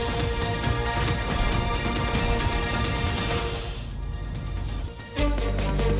มันก็อยากถามว่าทำไมต้องเป็นลูกของด้วย